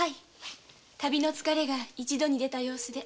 旅の疲れが一度に出た様子で。